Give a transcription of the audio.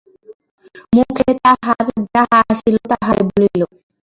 মুখে তাহার যাহা আসিল তাহাই বলিল।